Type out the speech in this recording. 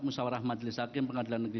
musawarah majelis hakim pengadilan negeri